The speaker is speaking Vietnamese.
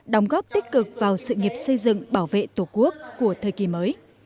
đóng góp tích cực vào sự nghiệp xây dựng bảo vệ tổ quốc của thời kỳ mới